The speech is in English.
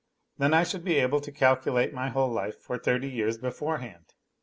Then I should be able to calculate my whole life for thirty years beforehand.